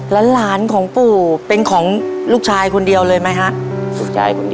รัวเมื่อให้มีทุนทาง